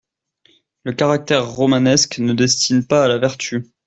Le caractère romanesque ne destine pas à la vertu.